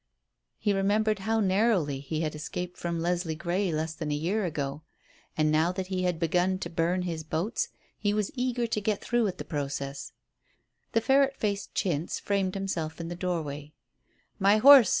He remembered how narrowly he had escaped from Leslie Grey less than a year ago, and now that he had begun to burn his boats he was eager to get through with the process. The ferret faced Chintz framed himself in the doorway. "My horse!"